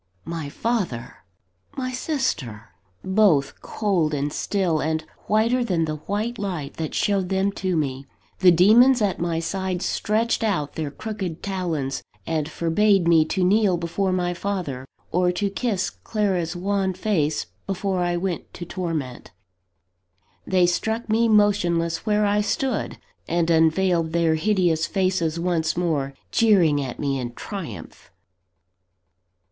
My father! my sister! both cold and still, and whiter than the white light that showed them to me. The demons at my side stretched out their crooked talons, and forbade me to kneel before my father, or to kiss Clara's wan face, before I went to torment. They struck me motionless where I stood and unveiled their hideous faces once more, jeering at me in triumph.